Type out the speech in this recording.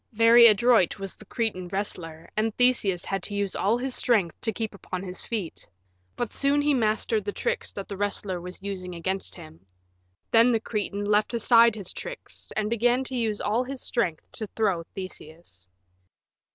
Very adroit was the Cretan wrestler, and Theseus had to use all his strength to keep upon his feet; but soon he mastered the tricks that the wrestler was using against him. Then the Cretan left aside his tricks and began to use all his strength to throw Theseus.